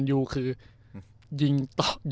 โอ้โห